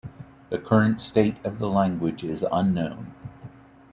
The current state of the language is unknown.